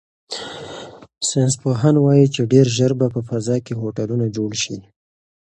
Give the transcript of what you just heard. ساینس پوهان وایي چې ډیر ژر به په فضا کې هوټلونه جوړ شي.